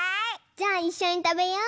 じゃあいっしょにたべよう！